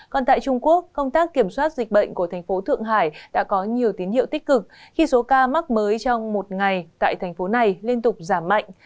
còn tại trung quốc công tác kiểm soát dịch bệnh của thành phố thượng hải đã có nhiều tiến hiệu tích cực khi số ca mắc mới trong một ngày tại thành phố này liên tục giảm mạnh